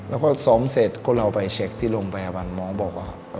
แล้วก็ซ้อมเสร็จก็เราไปเช็คที่โรงพยาบาลหมอบอกว่า